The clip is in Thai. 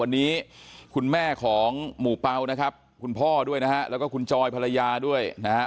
วันนี้คุณแม่ของหมู่เปล่านะครับคุณพ่อด้วยนะฮะแล้วก็คุณจอยภรรยาด้วยนะฮะ